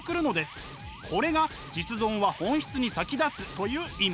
これが「実存は本質に先立つ」という意味。